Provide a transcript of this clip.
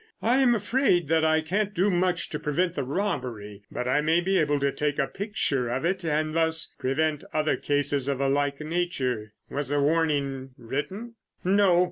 I am afraid that I can't do much to prevent the robbery, but I may be able to take a picture of it and thus prevent other cases of a like nature." "Was the warning written?" "No.